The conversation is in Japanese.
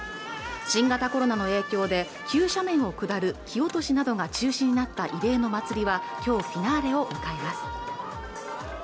新型コロナの影響で急斜面を下る木落しなどが中止になった異例の祭りは今日フィナーレを迎えます